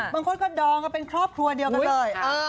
บางคนก็ดองกันเป็นครอบครัวเดียวกันเลย